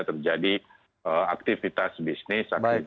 terjadi aktivitas bisnis aktivitas keuangan